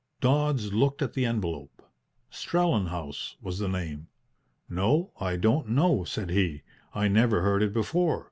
Dodds looked at the envelope. Strellenhaus was the name. "No, I don't know," said he. "I never heard it before.